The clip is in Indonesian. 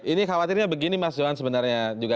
ini khawatirnya begini mas johan sebenarnya juga